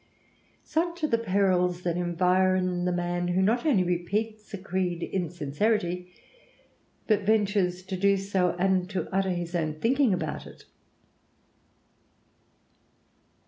Such are the perils that environ the man who not only repeats a creed in sincerity, but ventures to do and to utter his own thinking about it.